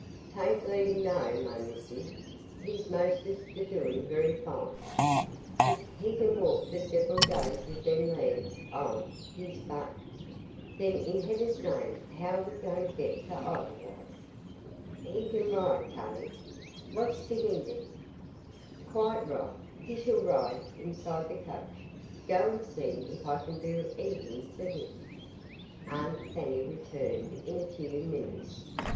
'Tain' bleedin' no mo', missy. He's mostes' neah doin' we'y fine. Co'se, he cain' walk fo' sev'l days wiv dem laigs o' his'n, but " "Then, in heaven's name, how are we to get to Edelweiss?" "He c'n ride, cain't he? Wha's to hindeh him?" "Quite right. He shall ride inside the coach. Go and see if I can do anything for him." Aunt Fanny returned in a few minutes.